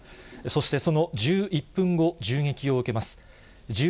そしてその１１分後、銃撃を受けます。